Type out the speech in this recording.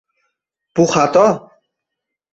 Bu xato.